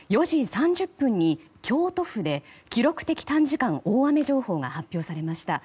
４時３０分に京都府で記録的短時間大雨情報が発表されました。